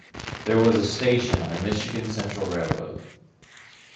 There was a station on Michigan Central Railroad.